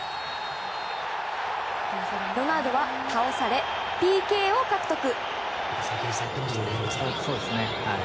ロナウドが倒され、ＰＫを獲得。